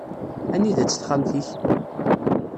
Anida-tt texxamt-ik?